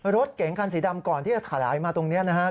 รถเก๋งคันสีดำก่อนที่จะถลายมาตรงนี้นะครับ